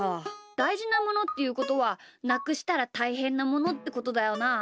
だいじなものっていうことはなくしたらたいへんなものってことだよな。